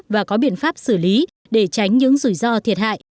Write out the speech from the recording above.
và có biện pháp xử lý để tránh những rủi ro thiệt hại